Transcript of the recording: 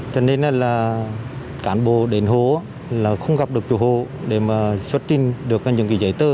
cho nên là cán bộ đến hố không gặp được chủ hộ để xuất trình được những giấy tờ